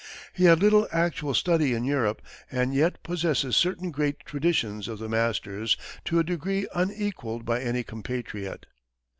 He had little actual study in Europe, and yet possesses certain great traditions of the masters to a degree unequalled by any compatriot.